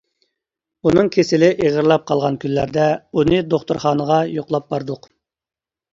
ئۇنىڭ كېسىلى ئېغىرلاپ قالغان كۈنلەردە ئۇنى دوختۇرخانىغا يوقلاپ باردۇق.